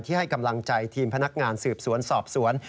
ให้กำลังใจทีมพนักงานสืบสวนสอบสวน